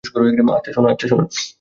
আচ্ছা, সোনা।